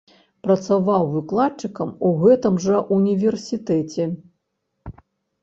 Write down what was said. Працаваў выкладчыкам у гэтым жа ўніверсітэце.